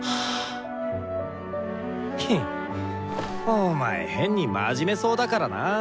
ヘッお前変に真面目そうだからな。